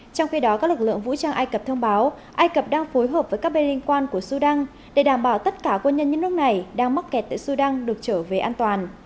trong khi đó các lực lượng vũ trang ai cập thông báo ai cập đang phối hợp với các bên liên quan của sudan để đảm bảo tất cả quân nhân những nước này đang mắc kẹt tại sudan được trở về an toàn